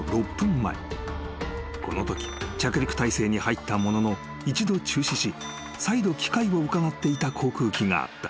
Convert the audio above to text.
［このとき着陸態勢に入ったものの一度中止し再度機会をうかがっていた航空機があった］